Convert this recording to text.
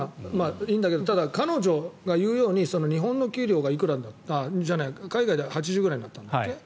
いいんだけどただ、彼女が言うように海外で８０万円ぐらいになったんだっけ？